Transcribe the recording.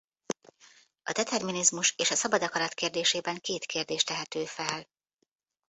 A determinizmus és a szabad akarat kérdésében két kérdés tehető fel.